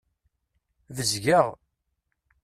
Bezgeɣ.